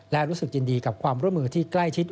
และรู้สึกยินดีกับความร่วมมือที่ใกล้ชิด